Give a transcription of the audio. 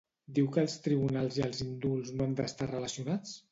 Diu que els tribunals i els indults no han d'estar relacionats?